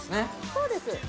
そうです。